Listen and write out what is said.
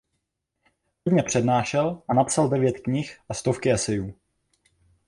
Hodně přednášel a napsal devět knih a stovky esejů.